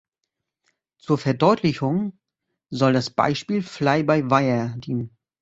Zur Verdeutlichung soll das Beispiel Fly-by-wire dienen.